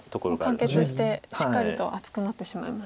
もう完結してしっかりと厚くなってしまいますか。